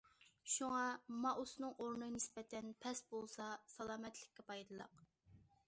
شۇڭا مائۇسنىڭ ئورنى نىسبەتەن پەس بولسا سالامەتلىككە پايدىلىق.